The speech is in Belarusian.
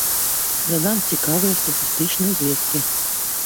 Дадам цікавыя статыстычныя звесткі.